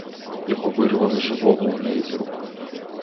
Його вирвали живого у неї з рук.